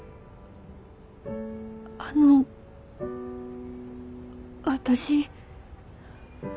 あの私私。